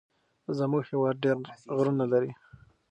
زمونږ هيواد ډير غرونه لري.